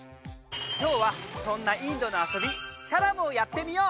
きょうはそんなインドの遊びキャラムをやってみよう！